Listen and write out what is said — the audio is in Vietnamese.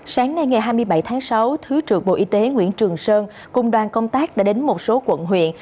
sáng nay ngày hai mươi bảy tháng sáu thứ trưởng bộ y tế nguyễn trường sơn cùng đoàn công tác đã đến một số quận huyện